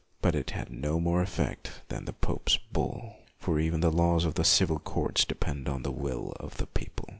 But it had no more effect than the pope's bull. For even the laws of the civil courts depend on the will of the people.